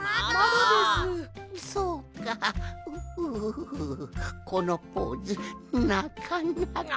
うううこのポーズなかなか。